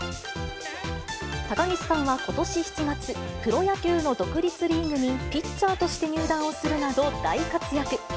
高岸さんはことし７月、プロ野球の独立リーグにピッチャーとして入団をするなど、大活躍。